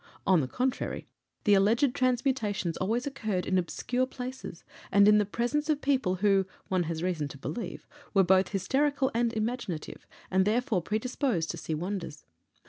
On the contrary, the alleged transmutations always occurred in obscure places, and in the presence of people who, one has reason to believe, were both hysterical and imaginative, and therefore predisposed to see wonders.